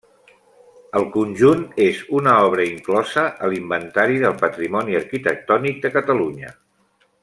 El conjunt és una obra inclosa a l'Inventari del Patrimoni Arquitectònic de Catalunya.